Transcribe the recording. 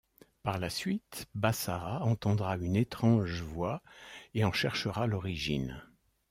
Par la suite, Basara entendra une étrange voix et en cherchera l'origine.